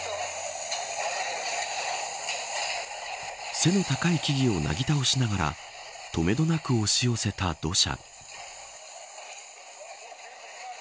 背の高い木々をなぎ倒しながらとめどなく押し寄せた土砂。